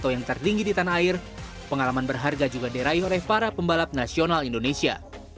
yang tertinggi di tanah air pengalaman berharga juga diraih oleh para pembalap nasional indonesia